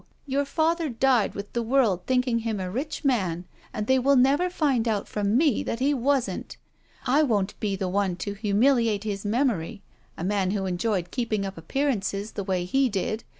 Your father died with the world thtnking him a rich man and they will never find out from me that he wasn't. I won't be the one to humiliate his memory — a man who enjoyed keeping up appear ances the way he did.